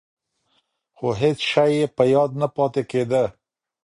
خو هېڅ شی یې په یاد نه پاتې کېده.